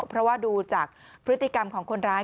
เพราะว่าดูจากพฤติกรรมของคนร้าย